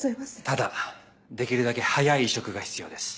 ただできるだけ早い移植が必要です。